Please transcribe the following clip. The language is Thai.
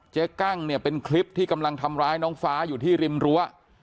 กั้งเนี่ยเป็นคลิปที่กำลังทำร้ายน้องฟ้าอยู่ที่ริมรั้ว